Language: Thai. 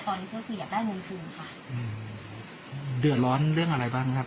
ตอนนี้ก็คืออยากได้เงินคืนค่ะอืมเดือดร้อนเรื่องอะไรบ้างครับ